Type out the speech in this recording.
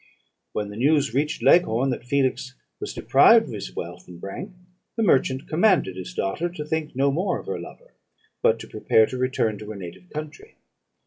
"When the news reached Leghorn, that Felix was deprived of his wealth and rank, the merchant commanded his daughter to think no more of her lover, but to prepare to return to her native country.